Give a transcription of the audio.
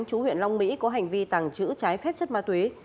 chú huyện long mỹ có hành vi tàng trữ trái phép chất ma túy